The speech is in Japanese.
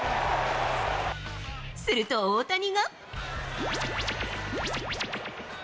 すると大谷が。